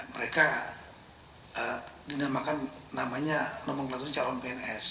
mereka dinamakan namanya nomong gelasuri calon pns